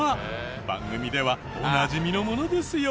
番組ではおなじみのものですよ。